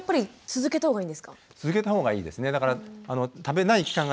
続けた方がいいですね。